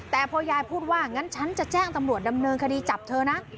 แต่พอยายพูดว่างั้นฉันจะแจ้งตำรวจดำเนินคดีจับเธอนะ